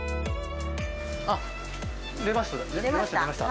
あっ、出ました！